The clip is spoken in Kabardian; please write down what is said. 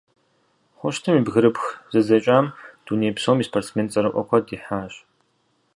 Хъущтым и «бгырыпх зэдзэкӏам» дуней псом и спортсмен цӏэрыӏуэ куэд ихьащ.